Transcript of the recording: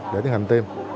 để tiến hành tiêm